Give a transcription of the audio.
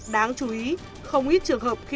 đáng chú ý không ít trường hợp khi